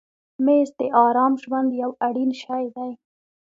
مېز د آرام ژوند یو اړین شی دی.